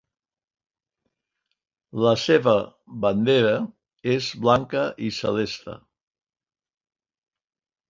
La seva bandera és blanca i celeste.